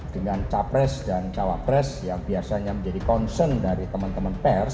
dengan capres dan cawapres yang biasanya menjadi concern dari teman teman pers